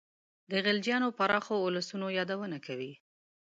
د خلجیانو پراخو اولسونو یادونه کوي.